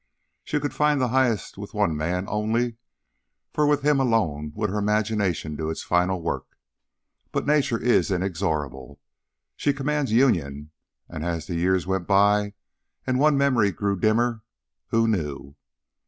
She could find the highest with one man only, for with him alone would her imagination do its final work. But Nature is inexorable. She commands union; and as the years went by and one memory grew dimmer who knew?